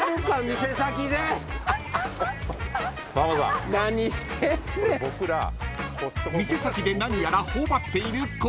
［店先で何やら頬張っているこの２人］